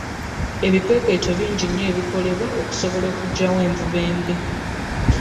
Ebikwekweto bingi nnyo ebikoledwa okusobola okugyawo envuba embi.